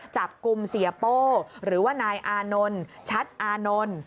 จับกลุ่มเสียโป้หรือว่านายอานนท์ชัดอานนท์